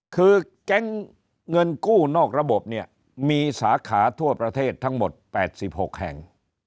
คือแก๊งเงินกู้นอกระบบเนี่ยมีสาขาทั่วประเทศทั้งหมด๘๖แห่ง